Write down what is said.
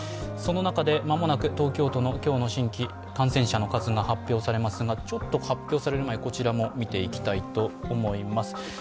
その中で間もなく東京都の今日の新規感染者の数が発表されますが、その前にこちらも見ていきたいと思います。